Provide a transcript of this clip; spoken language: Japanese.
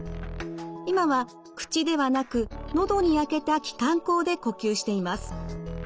今は口ではなく喉に開けた気管孔で呼吸しています。